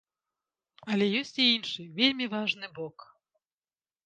Але ёсць і іншы, вельмі важны бок.